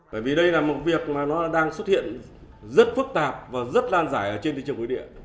bởi vì đây là một việc mà nó đang xuất hiện rất phức tạp và rất lan giải trên thị trường nội địa